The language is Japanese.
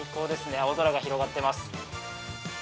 青空が広がってます。